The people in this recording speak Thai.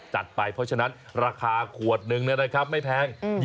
จัดไปเพราะฉะนั้นราคาขวดนึงนะครับไม่แพง